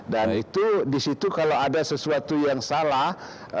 dan itu di situ kalau ada sesuatu yang salah